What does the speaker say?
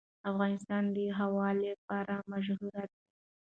افغانستان د هوا لپاره مشهور دی.